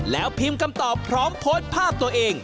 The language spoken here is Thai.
แล้วพิมพ์คำตอบพร้อมโพสต์ภาพตัวเอง